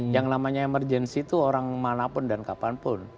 yang namanya emergency itu orang manapun dan kapanpun